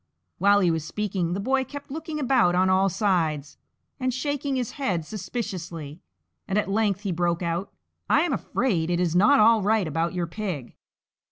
While he was speaking the Boy kept looking about on all sides, and shaking his head suspiciously, and at length he broke out, "I am afraid it is not all right about your pig.